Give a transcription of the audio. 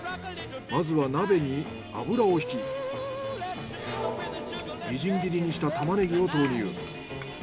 まずは鍋に油をひきみじん切りにしたタマネギを投入。